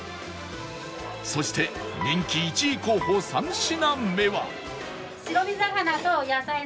そして人気１位候補３品目は